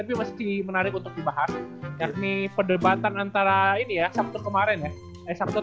bisa sampai ke australia mungkin bisa